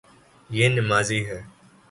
یے نمازی ہے